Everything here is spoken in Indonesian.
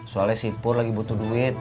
soalnya sipul lagi butuh duit